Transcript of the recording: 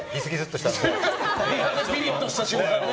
ピリッとした瞬間ね。